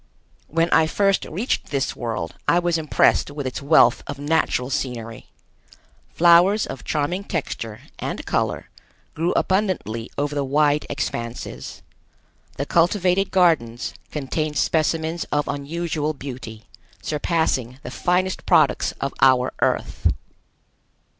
When I first reached this world I was impressed with its wealth of natural scenery. Flowers of charming texture and color grew abundantly over the wide expanses. The cultivated gardens contained specimens of unusual beauty, surpassing the finest products of our Earth.